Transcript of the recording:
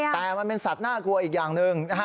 แต่มันเป็นสัตว์น่ากลัวอีกอย่างหนึ่งนะฮะ